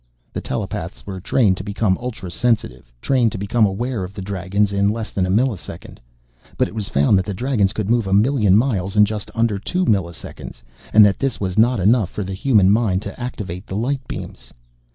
The telepaths were trained to become ultrasensitive, trained to become aware of the Dragons in less than a millisecond. But it was found that the Dragons could move a million miles in just under two milliseconds and that this was not enough for the human mind to activate the light beams.